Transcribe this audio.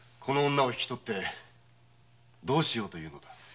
この女を引き取ってどうしようというのだ？